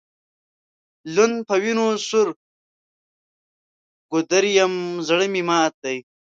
لوند په وینو سور ګودر یم زړه مي مات دی